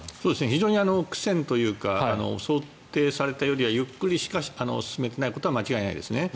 非常に苦戦というか想定されたよりはゆっくりしか進めていないことは間違いないです。